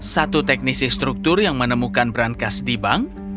satu teknisi struktur yang menemukan berankas di bank